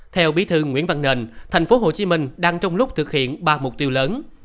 theo bí thư nguyễn văn nền tp hcm đang trong lúc thực hiện ba mục tiêu lớn